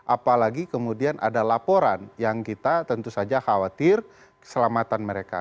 apalagi kemudian ada laporan yang kita tentu saja khawatir keselamatan mereka